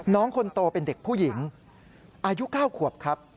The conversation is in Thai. น้องคนโตเป็นเด็กผู้หญิงอายุ๙ขวบครับ